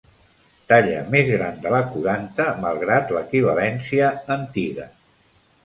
Talla més gran de la quaranta, malgrat l'equivalència antiga.